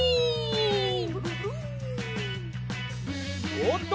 おおっと！